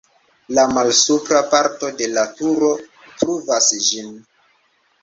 La malsupra parto de la turo pruvas ĝin.